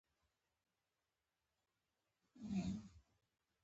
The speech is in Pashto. ژبه زموږ د ملي وحدت نښه ده.